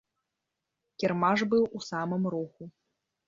Кірмаш быў у самым руху.